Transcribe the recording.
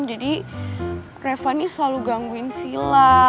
jadi reva ini selalu gangguin sheila